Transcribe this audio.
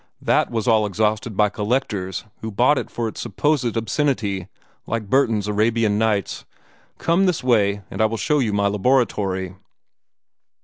THAT was all exhausted by collectors who bought it for its supposed obscenity, like Burton's 'Arabian Nights.' Come this way, and I will show you my laboratory."